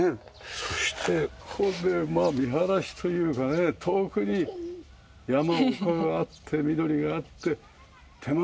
そしてここでまあ見晴らしというかね遠くに山丘があって緑があって手前